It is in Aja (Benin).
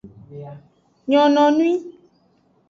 Nyononwi.